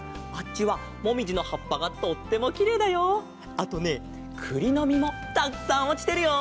あとねくりのみもたくさんおちてるよ！